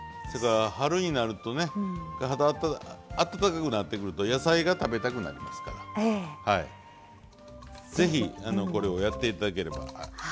それから春になるとねあったかくなってくると野菜が食べたくなりますからぜひこれをやって頂ければ。